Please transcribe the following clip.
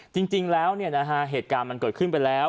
จริงแล้วเหตุการณ์มันเกิดขึ้นไปแล้ว